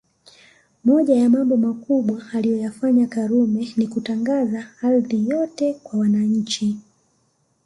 Moja ya Mambo makubwa aliyoyafanya Karume Ni kutangaza ardhi yote kwa wananchi